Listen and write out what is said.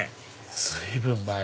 随分前！